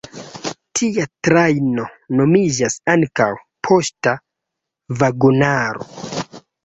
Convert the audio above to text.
Tia trajno nomiĝas ankaŭ "poŝta vagonaro".